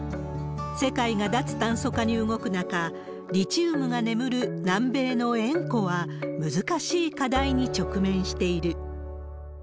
世界が脱炭素化に動く中、リチウムが眠る南米の塩湖は難しい課題に直面している。